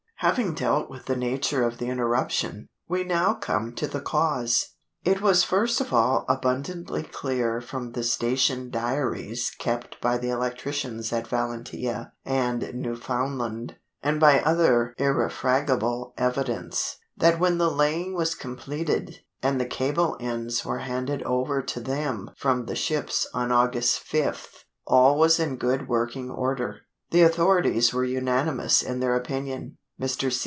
Having dealt with the nature of the interruption, we now come to the cause. It was first of all abundantly clear from the station diaries kept by the electricians at Valentia and Newfoundland, and by other irrefragable evidence, that when the laying was completed, and the cable ends were handed over to them from the ships on August 5th, all was in good working order. The authorities were unanimous in their opinion. Mr.